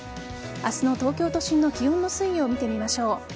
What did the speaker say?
明日の東京都心の気温の推移を見てみましょう。